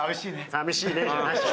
寂しいねじゃないよ。